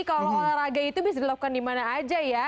kalau olahraga itu bisa dilakukan dimana aja ya